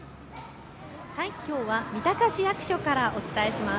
きょうは三鷹市役所からお伝えします。